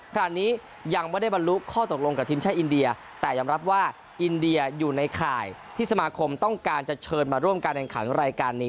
ขณะนี้ยังไม่ได้บรรลุข้อตกลงกับทีมชาติอินเดียแต่ยอมรับว่าอินเดียอยู่ในข่ายที่สมาคมต้องการจะเชิญมาร่วมการแข่งขันรายการนี้